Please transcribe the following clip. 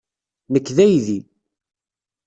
Nekk d aydi.